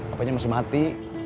apanya masih mati